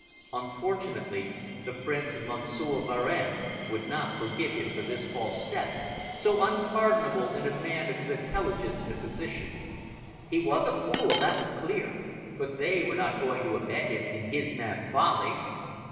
Unfortunately the friends of Monsieur Varenne would not forgive him for this false step, so unpardonable in a man of his intelligence and position. He was a fool, that was clear, but they were not going to abet him in his mad folly.